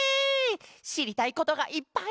しりたいことがいっぱい！